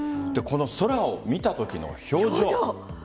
空を見たときの表情。